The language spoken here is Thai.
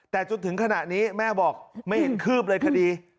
แต่จนถึงขณะนี้แม่บอกไม่เห็นคืบเลยคดี